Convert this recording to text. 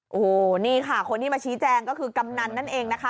โอ้โหนี่ค่ะคนที่มาชี้แจงก็คือกำนันนั่นเองนะคะ